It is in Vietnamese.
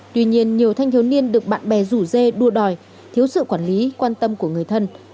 tuy nhiên nhiều thanh thiếu niên được bạn bè rủ dê đua đòi thiếu sự quản lý quan tâm của người thân